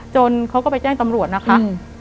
เขาก็ไปแจ้งตำรวจนะคะ